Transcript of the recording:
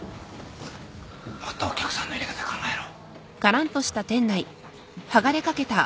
もっとお客さんの入れ方考えろ。